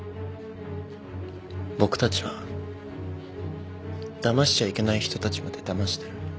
僕たちはだましちゃいけない人たちまでだましてる。